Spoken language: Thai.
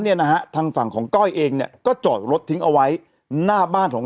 เนี่ยนะฮะทางฝั่งของก้อยเองเนี่ยก็จอดรถทิ้งเอาไว้หน้าบ้านของ